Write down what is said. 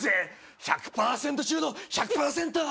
１００％中の１００％。